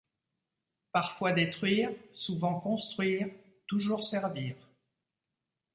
Parfois détruire Souvent construire Toujours servir.